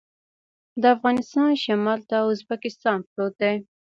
د افغانستان شمال ته ازبکستان پروت دی